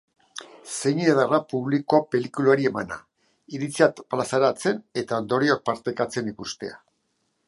Zein ederra publikoa pelikulari emana, iritzia plazaratzen eta ondorioak partekatzen ikustea.